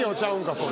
それ。